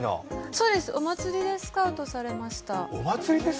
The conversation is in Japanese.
そうです、お祭りでスカウトされました。